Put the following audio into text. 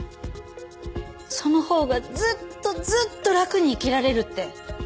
そのほうがずっとずっと楽に生きられるって